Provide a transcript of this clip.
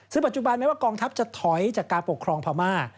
ซึ่งปัจจุบันแม้ว่ากองทัพจะถอยจากการปกครองพม่า